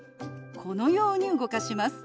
このように動かします。